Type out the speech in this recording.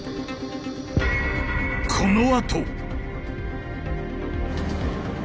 このあと！